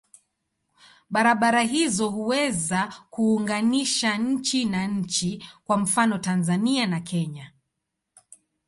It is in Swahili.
Barabara hizo huweza kuunganisha nchi na nchi, kwa mfano Tanzania na Kenya.